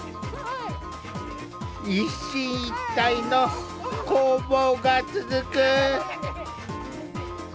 一進一退の攻防が続く。